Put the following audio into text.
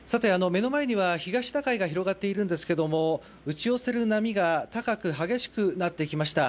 目の前には東シナ海が広がっているんですけども、打ち寄せる波が高く激しくなってきました。